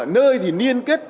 nơi thì liên kết